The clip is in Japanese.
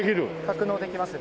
格納できます。